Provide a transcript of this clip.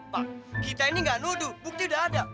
pak kita ini gak nuduh bukti udah ada